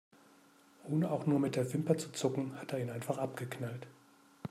Ohne auch nur mit der Wimper zu zucken, hat er ihn einfach abgeknallt.